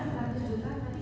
yang saya ketahui